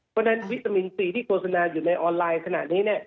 เพราะฉะนั้นวิตามินซีที่โฆษณาอยู่ในออนไลน์ขณะนี้